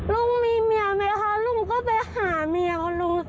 ลุงมีเมียไหมคะลุงก็ไปหาเมียของลุง